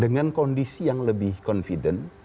dengan kondisi yang lebih confident